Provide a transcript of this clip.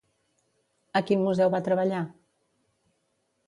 A quin museu va treballar?